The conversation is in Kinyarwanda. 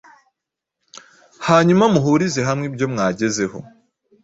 hanyuma muhurize hamwe ibyo mwagezeho.